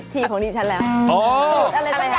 ทีของดีชันแหละ